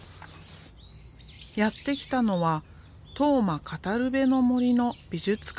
やって来たのは「当麻かたるべの森」の美術館。